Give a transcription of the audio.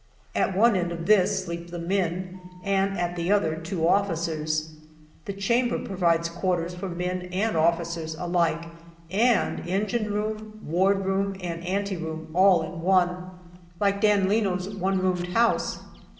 At one end of this sleep the men, and at the other two officers. The chamber provides quarters for men and officers alike, and engine room, ward room, and ante room, all in one, like Dan Leno's one roomed house.